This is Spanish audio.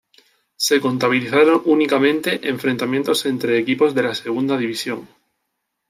Se contabilizaron únicamente enfrentamientos entre equipos de la Segunda División.